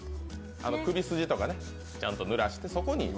首筋とかちゃんとぬらしてそこに。